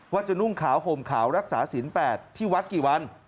ว่าจะนุ่งขาวห่มขาวรักษาศีล๘ที่วัดกี่วัน